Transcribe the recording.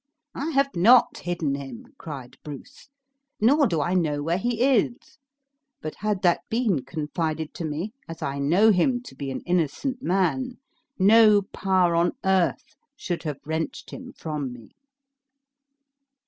"I have not hidden him," cried Bruce; "nor do I know where he is; but had that been confided to me, as I know him to be an innocent man, no power on earth should have wrenched him from me!"